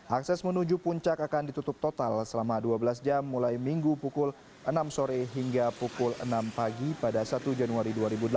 akses menuju puncak akan ditutup total selama dua belas jam mulai minggu pukul enam sore hingga pukul enam pagi pada satu januari dua ribu delapan belas